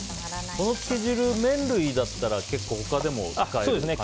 このつけ汁麺類だったら他でも使える感じですか？